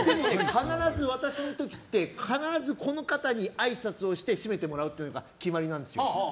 必ず私の時って必ずこの方にあいさつをして締めてもらうというのが決まりなんですよ。